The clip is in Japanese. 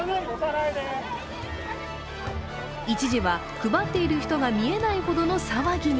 一時は配っている人が見えないほどの騒ぎに。